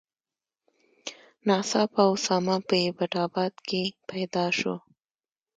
ناڅاپه اسامه په ایبټ آباد کې پیدا شو.